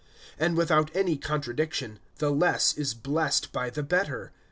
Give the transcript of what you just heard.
(7)And without any contradiction, the less is blessed by the better.